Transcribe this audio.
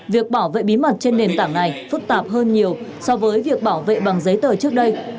việc bảo vệ bí mật trên nền tảng này phức tạp hơn nhiều so với việc bảo vệ bằng giấy tờ trước đây